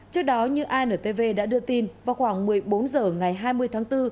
trước đó như antv đã đưa tin vào khoảng một mươi bốn giờ ngày hai mươi tháng bốn